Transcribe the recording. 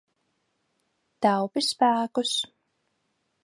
Taupi spēkus.